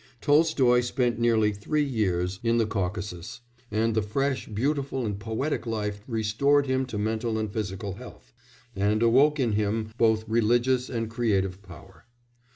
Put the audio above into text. Tolstoy spent nearly three years in the Caucasus, and the fresh, beautiful and poetic life restored him to mental and physical health, and awoke in him both religious and creative power.